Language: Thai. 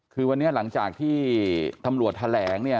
คือวันนี้หลังจากที่ตำรวจแถลงเนี่ย